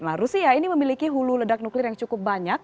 nah rusia ini memiliki hulu ledak nuklir yang cukup banyak